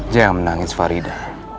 jangan menangis farida